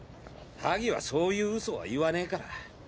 ハギはそういうウソは言わねぇから。